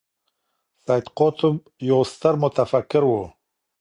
سید قطب یو ستر متفکر و.